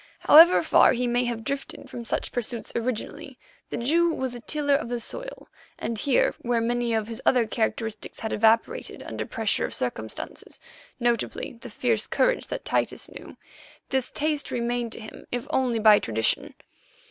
However far he may have drifted from such pursuits, originally the Jew was a tiller of the soil, and here, where many of his other characteristics had evaporated under pressure of circumstances—notably the fierce courage that Titus knew—this taste remained to him, if only by tradition.